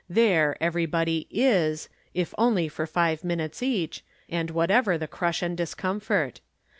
There everybody is if only for five minutes each, and whatever the crush and discomfort.